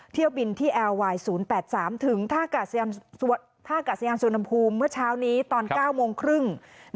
เที่ยวบินที่แอร์ไวน์๐๘๓ถึงท่ากาศยานสุวรรณภูมิเมื่อเช้านี้ตอน๙โมงครึ่ง